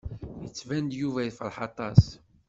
Yettban-d Yuba yefṛeḥ aṭas.